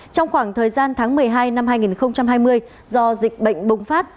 trong khoảng thời gian tháng một mươi hai năm hai nghìn hai mươi do dịch bệnh bùng phát